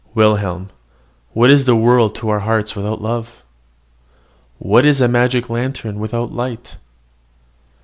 Wilhelm, what is the world to our hearts without love? What is a magic lantern without light?